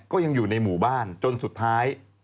ก็ยังอยู่ในหมู่บ้านจนสุดท้าย